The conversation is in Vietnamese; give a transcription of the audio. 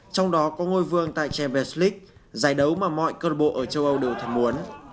trong đó có ngôi vương tại champions league giải đấu mà mọi club ở châu âu đều thật muốn